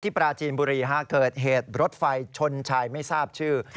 ปราจีนบุรีเกิดเหตุรถไฟชนชายไม่ทราบชื่อ